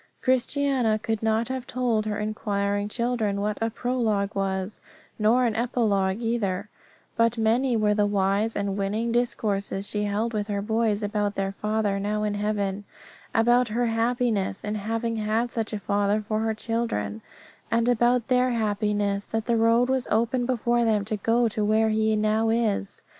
Christiana could not have told her inquiring children what a prologue was, nor an epilogue either, but many were the wise and winning discourses she held with her boys about their father now in heaven, about her happiness in having had such a father for her children, and about their happiness that the road was open before them to go to where he now is.